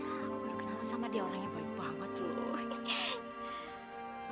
aku baru kenal sama dia orangnya baik banget loh